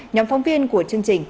nhóm phóng viên của chương trình